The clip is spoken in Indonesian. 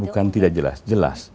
bukan tidak jelas jelas